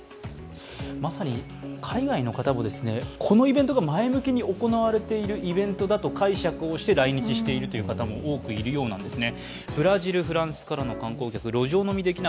まさに海外の方もこのイベントが前向きに行われているイベントだと解釈をして来日しているという方も多くいるようなんですね。